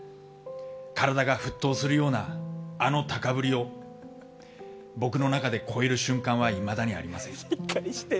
体が沸騰するようなあの高ぶりを僕の中で超える瞬間はいまだにありません。